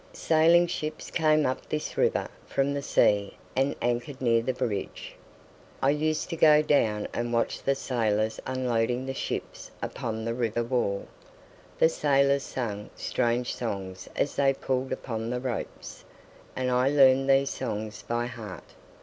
Sailing ships came up this river from the sea and anchored near the bridge. I used to go down and watch the sailors unloading the ships upon the river wall. The sailors sang strange songs as they pulled upon the ropes; and I learned these songs by heart.